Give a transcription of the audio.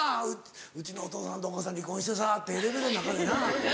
「うちのお父さんとお母さん離婚してさ」ってエレベーターの中でな。